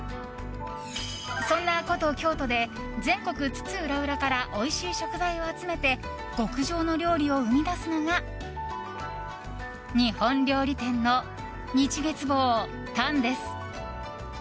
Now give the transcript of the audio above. そんな古都・京都で全国津々浦々からおいしい食材を集めて極上の料理を生み出すのが日本料理店の日月房旦です。